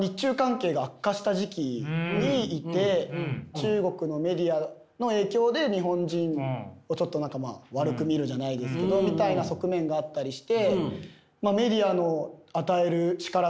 中国のメディアの影響で日本人をちょっと何かまあ悪く見るじゃないですけどみたいな側面があったりして。